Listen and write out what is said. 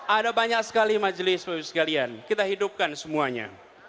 ada banyak sekali majelis majelis sekalian kita hidupkan semuanya